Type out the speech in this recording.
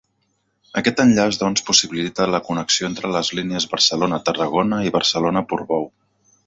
Aquest enllaç doncs possibilita la connexió entre les línies Barcelona-Tarragona i Barcelona-Portbou.